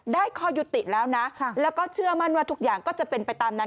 ข้อยุติแล้วนะแล้วก็เชื่อมั่นว่าทุกอย่างก็จะเป็นไปตามนั้น